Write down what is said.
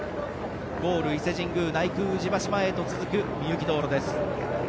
ゴール伊勢神宮内宮宇治橋前へと続く御幸道路です。